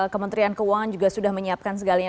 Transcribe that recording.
kementerian keuangan juga sudah menyiapkan segalanya